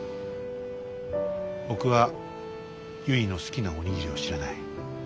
僕はゆいの好きなお握りを知らない。